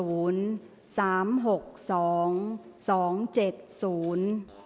ออกรางวัลที่๖